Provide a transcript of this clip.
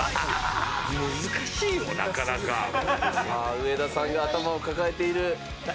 上田さんが頭を抱えている。